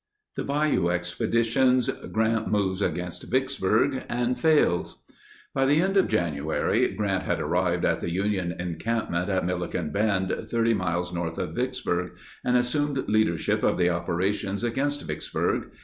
] The Bayou Expeditions: Grant Moves Against Vicksburg—and Fails By the end of January, Grant had arrived at the Union encampment at Milliken's Bend, 30 miles north of Vicksburg, and assumed leadership of the operations against Vicksburg.